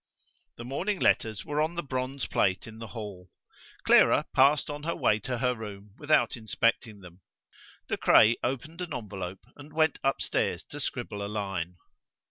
The morning's letters were on the bronze plate in the hall. Clara passed on her way to her room without inspecting them. De Craye opened an envelope and went upstairs to scribble a line.